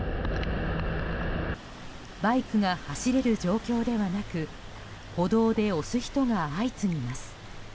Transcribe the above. バイクが走れる状況ではなく歩道で押す人が相次ぎます。